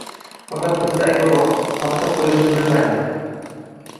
Faqat bitta aybi bor: “paxta qo’yish”ni bilmaydi.